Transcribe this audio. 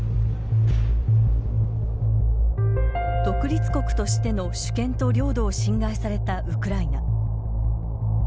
独立国としての主権と領土を侵害されたウクライナ。